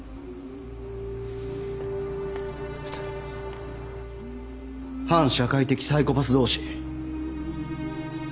２人は反社会的サイコパス同士。